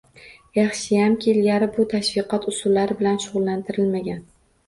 Yaxshiyamki, ilgari bu tashviqot usullari bilan tushuntirilmagan